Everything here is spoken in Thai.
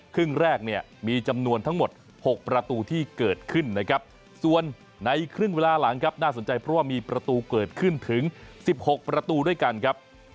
ครึ่งแรกเนี่ยมีจำนวนทั้งหมด๖ประตูที่เกิดขึ้นนะครับส่วนในครึ่งเวลาหลังครับน่าสนใจเพราะว่ามีประตูเกิดขึ้นถึง๑๖ประตูด้วยกันครับ